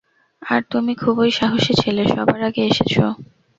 আর তুমি খুবই সাহসী ছেলে, সবার আগে এসেছো।